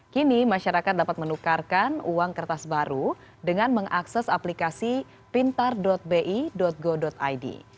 kini masyarakat dapat menukarkan uang kertas baru dengan mengakses aplikasi pintar bi go id